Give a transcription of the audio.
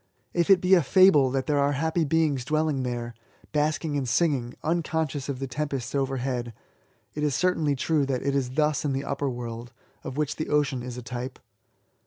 If it be a fable that there are happy beings dwelling there, basking and singing, unconscious of the tempests oyerhead, it is certainly true that it is thus in the upper world, of which the ocean is a type.